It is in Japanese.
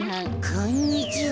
こんにちは。